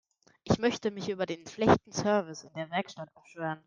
Ich möchte mich über den schlechten Service in der Werkstatt beschweren.